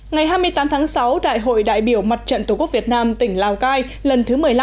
ngày hai mươi tám tháng sáu đại hội đại biểu mặt trận tổ quốc việt nam tỉnh lào cai lần thứ một mươi năm